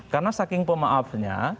karena saking pemaafnya